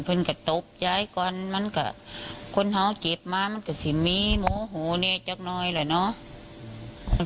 เพื่อนก็ตกใจก่อนมันก็คนหาเจ็บมามันก็สิมีโมโหแน่จากน้อยแหละเนาะ